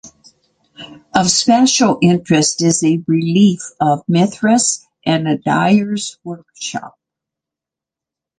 Of special interest is a relief of Mithras and a dyer's workshop.